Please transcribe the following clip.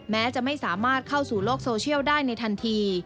แม้จะไม่สามารถเข้าสู่โลกโซเชียลได้ในทันที